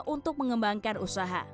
untuk mengembangkan usaha